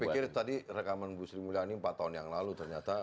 saya pikir tadi rekaman bu sri mulyani empat tahun yang lalu ternyata